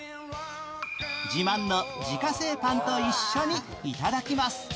自慢の自家製パンと一緒に頂きます。